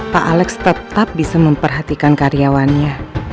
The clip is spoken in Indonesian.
pak alex tetap bisa memperhatikan karyawannya